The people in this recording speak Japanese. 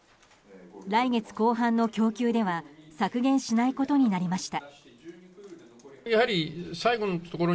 来月後半の供給では削減しないことになりました。